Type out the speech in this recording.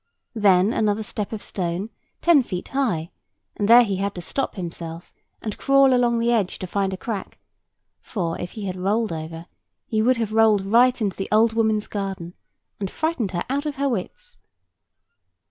Then another step of stone, ten feet high; and there he had to stop himself, and crawl along the edge to find a crack; for if he had rolled over, he would have rolled right into the old woman's garden, and frightened her out of her wits.